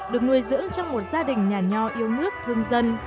được nuôi dưỡng trong một gia đình nhà nho yêu nước thương dân